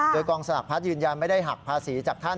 โดยกองสลักพัดยืนยันไม่ได้หักภาษีจากท่าน